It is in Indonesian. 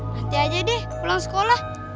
nanti aja deh pulang sekolah